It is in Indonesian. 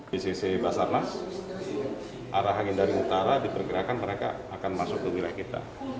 di sisi basarnas arah angin dari utara diperkirakan mereka akan masuk ke wilayah kita